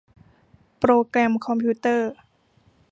โปรแกรมคอมพิวเตอร์